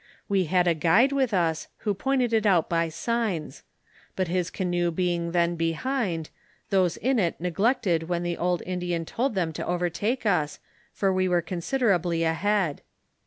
We had a guide with us, who pointed it out by signs ; but his canot; being then behind, those in it neglected when the India a told them to overtake us, for we were considerably ahead.